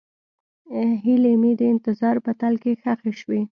هیلې مې د انتظار په تل کې ښخې شوې.